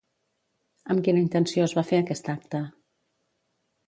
Amb quina intenció es va fer aquest acte?